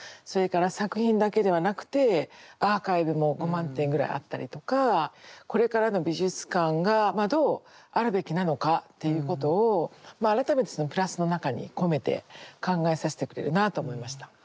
それから作品だけではなくてアーカイブも５万点ぐらいあったりとかこれからの美術館がどうあるべきなのかっていうことをまあ改めてその「プラス」の中に込めて考えさせてくれるなと思いました。